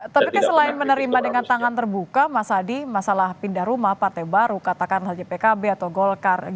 tapi selain menerima dengan tangan terbuka mas adi masalah pindah rumah partai baru katakan saja pkb atau golkar